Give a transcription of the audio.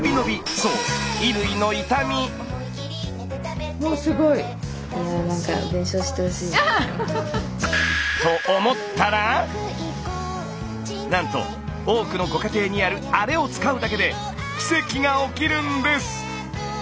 そうなんと多くのご家庭にある「あれ」を使うだけで奇跡が起きるんです！